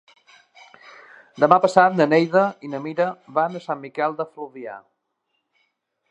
Demà passat na Neida i na Mira van a Sant Miquel de Fluvià.